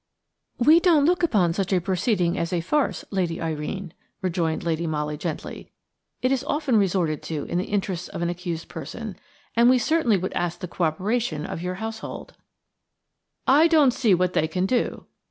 "We don't look upon such a proceeding as a farce, Lady Irene," rejoined Lady Molly, gently. "It is often resorted to in the interests of an accused person, and we certainly would ask the co operation of your household." "I don't see what they can do."